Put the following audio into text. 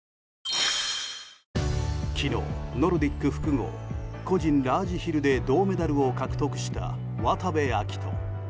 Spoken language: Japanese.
昨日、ノルディック複合個人ラージヒルで銅メダルを獲得した渡部暁斗。